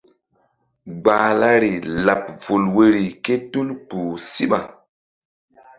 Gbahlari laɓ vul woyri ké tul kpuh síɓa.